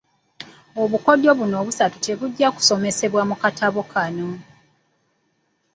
Obukodyo buno obusatu tebujja kusomesebwa mu katabo kano.!